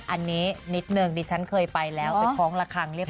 อันนี้นิดหนึ่งดิฉันเคยไปแล้วเป็นของละครั้งเรียบร้อย